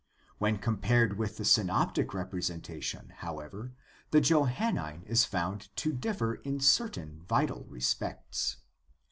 When compared with the synoptic representation, however, the Johannine is found to differ in certain vital respects.